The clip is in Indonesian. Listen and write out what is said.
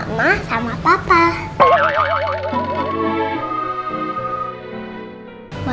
aku udah bilang sama oma kalau malam ini aku tidur sama mama sama papa